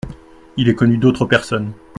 Il est connu d’autres personnes.